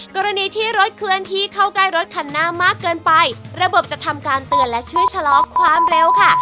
กรณีที่รถเคลื่อนที่เข้าใกล้รถคันหน้ามากเกินไประบบจะทำการเตือนและช่วยชะลอความเร็วค่ะ